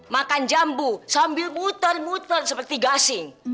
makan jambu sambil muter muter seperti gasing